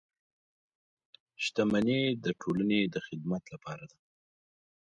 • شتمني د ټولنې د خدمت لپاره ده.